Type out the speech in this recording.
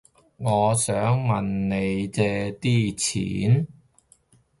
我想問你借啲錢